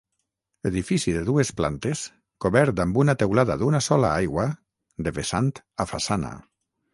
Edifici de dues plantes cobert amb una teulada d'una sola aigua de vessant a façana.